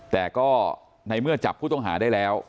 แต่ก็ในเมื่อจับผู้ต้องหาได้แล้ว